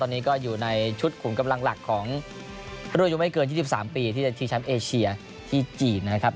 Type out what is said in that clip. ตอนนี้ก็อยู่ในชุดขุมกำลังหลักของรุ่นอายุไม่เกิน๒๓ปีที่จะชิงแชมป์เอเชียที่จีนนะครับ